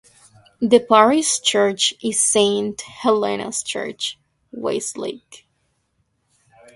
The parish church is Saint Helena's Church, West Leake.